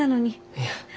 いや。